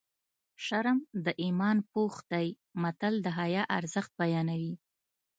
شرم د ایمان پوښ دی متل د حیا ارزښت بیانوي